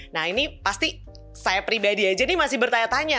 nah ini pasti saya pribadi aja ini masih bertanya tanya